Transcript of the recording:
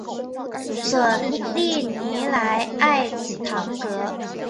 索利尼莱埃唐格。